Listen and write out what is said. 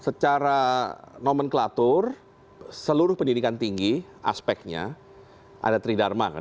secara nomenklatur seluruh pendidikan tinggi aspeknya ada tridharma kan